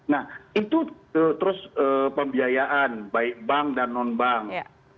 nah itu terus pembiayaan baik bank dan non bank